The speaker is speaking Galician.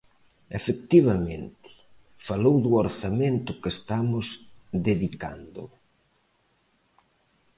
Efectivamente, falou do orzamento que estamos dedicando.